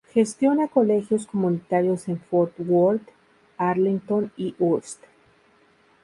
Gestiona colegios comunitarios en Fort Worth, Arlington y Hurst.